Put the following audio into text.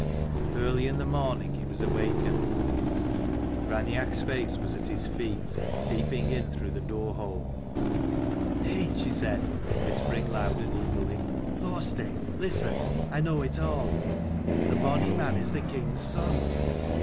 Early in the morning he was awakened. Raineach's face was at his feet, peeping in through the door hole. "Heigh!" she said, whispering loud and eagerly. "Thorstein, listen ! I know it all. The bonny man is the king's son.